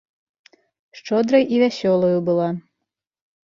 Шчодрай і вясёлаю была.